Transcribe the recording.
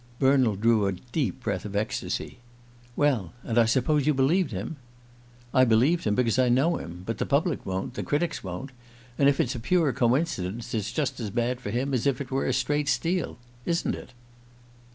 '" Bernald drew a deep breath of ecstasy. "Well and I suppose you believed him?" "I believed him, because I know him. But the public won't the critics won't. And if it's a pure coincidence it's just as bad for him as if it were a straight steal isn't it?"